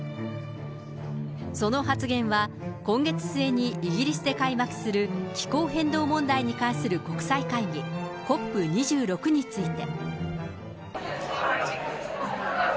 その発言は、今月末にイギリスで開幕する気候変動問題に関する国際会議、ＣＯＰ２６について。